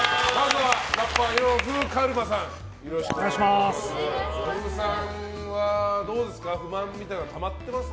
よろしくお願いします。